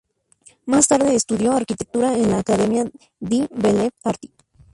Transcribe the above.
Más tarde estudió arquitectura en la Accademia di Belle Arti.